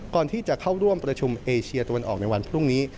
ก่อนที่จะเข้าร่วมประชุมเอเชียตะวันออกในวันพรุ่งนี้